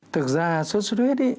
thực ra suốt suốt huyết